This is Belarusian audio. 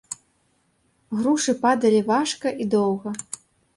Грушы падалі важка і доўга.